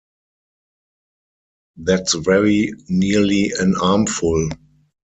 That's very nearly an armful!